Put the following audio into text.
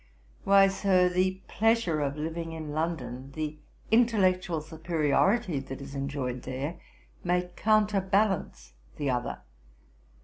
'Why, Sir, the pleasure of living in London, the intellectual superiority that is enjoyed there, may counter balance the other.